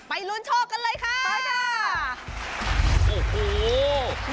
ไปลุ้นโชคกันเลยค่ะ